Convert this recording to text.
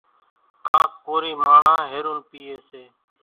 ڪان ڪورِي ماڻۿان هيرونَ پيئيَ سي۔